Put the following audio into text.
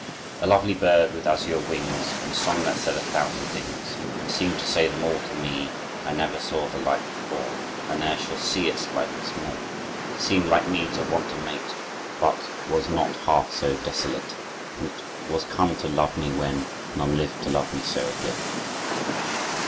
"A lovely bird with azure wings, And song that said a thousand things, And seemed to say them all to me! I never saw the like before, I ne'er shall see its likeness more: It seemed, like me, to want a mate, But was not half so desolate; And it was come to love me, when None lived to love me so again."